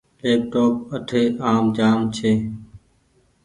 ليپ ٽوپ اٺي آم جآ م ڇي۔